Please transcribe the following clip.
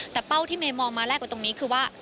แต่เป้าที่เมย์มองมาแรกกว่าตรงนี้คือว่า